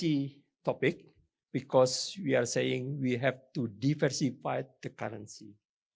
ini bukan topik yang mudah karena kita mengatakan kita harus memperlembabkan kewangan